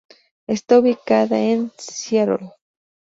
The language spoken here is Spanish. Está ubicada en Seattle.